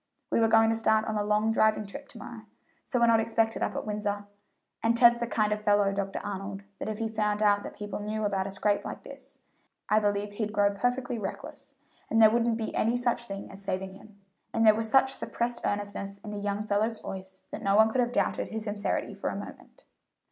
We were going to start on a long driving trip to morrow; so we're not expected up at Windsor, and Ted's the kind of fellow, Dr. Arnold, that if he found out that people knew about a scrape like this, I believe he'd grow perfectly reckless, and there wouldn't be any such thing as saving him;" and there was such suppressed earnestness in the young fellow's voice that no one could have doubted his sincerity for a moment.